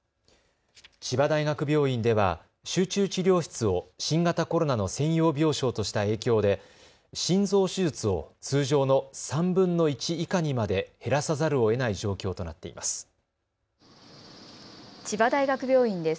千葉大学病院では集中治療室を新型コロナの専用病床とした影響で心臓手術を通常の３分の１以下にまで減らさざるをえない状況となっています。